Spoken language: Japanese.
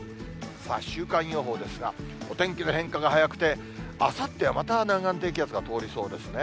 さあ、週間予報ですが、お天気の変化が早くて、あさってはまた南岸低気圧が通りそうですね。